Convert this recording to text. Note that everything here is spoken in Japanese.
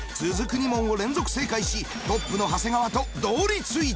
２問を連続正解しトップの長谷川と同率１位に。